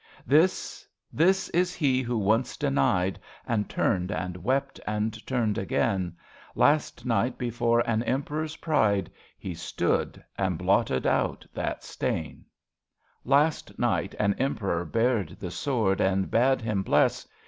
This, this is he who once denied. And turned and wept and turned again. Last night before an Emperor's pride He stood and blotted out that stain. 16 mmmsswT?' A BELGIAN CHRISTMAS EVE Last night an Emperor bared the sword And bade him bless.